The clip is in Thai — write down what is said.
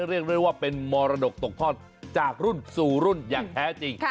เรียกได้ว่าเป็นมรดกตกทอดจากรุ่นสู่รุ่นอย่างแท้จริง